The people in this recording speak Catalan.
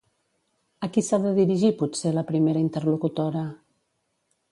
A qui s'ha de dirigir potser la primera interlocutora?